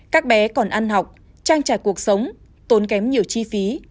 các bé còn ăn học trang trải cuộc sống tốn kém nhiều chi phí